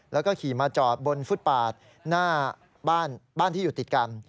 แล้วก็ขี่มาจอดบนฟุตปาดหน้าบ้านที่อยู่ติดกัน